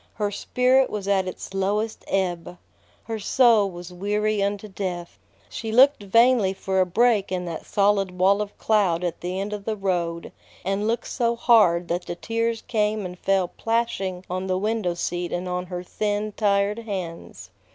Her spirit was at its lowest ebb. Her soul was weary unto death. She looked vainly for a break in that solid wall of cloud at the end of the road, and looked so hard that the tears came and fell plashing on the window seat and on her thin, tired hands.